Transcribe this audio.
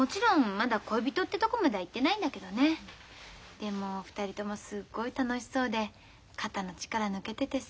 でも２人ともすっごい楽しそうで肩の力抜けててさ。